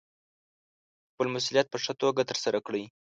خپل مسوولیت په ښه توګه ترسره کړئ.